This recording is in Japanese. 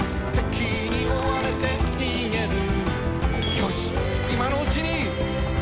「よし、いまのうちに！」